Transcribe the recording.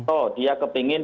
oh dia kepingin